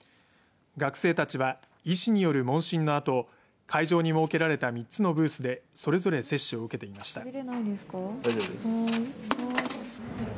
学生たちは医師による問診のあと会場に設けられた３つのブースでそれぞれ接種を受けていました。